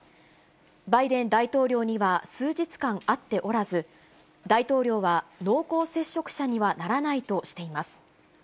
バイデン大統領には、数日間会っておらず、大統領は濃厚接触者にはならないとしています。